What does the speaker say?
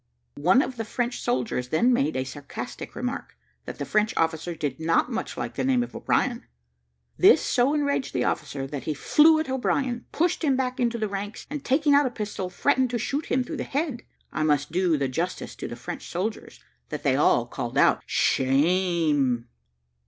One of the French soldiers then made a sarcastic remark, that the French officer did not much like the name of O'Brien. This so enraged the officer, that he flew at O'Brien, pushed him back into the ranks, and taking out a pistol, threatened to shoot him through the head. I must do the justice to the French soldiers, that they all called out "Shame!"